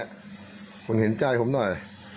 ผมเห็นใจผมหน่อย